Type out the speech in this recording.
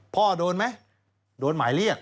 พ่อโดนไหมโดนหมายเรียก